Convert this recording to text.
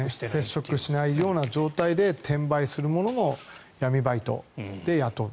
接触しないような状態で転売する者も闇バイトで雇う。